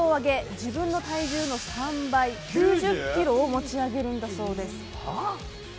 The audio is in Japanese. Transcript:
自分の体重の３倍９０ｋｇを持ち上げるんです。